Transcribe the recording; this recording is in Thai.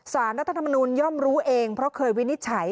สารรัฐธรรมนูลย่อมรู้เองเพราะเคยวินิจฉัย